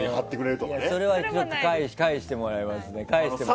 それも返してもらいますから。